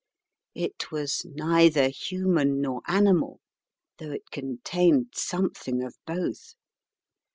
It was neither human nor animal though it contained something of both.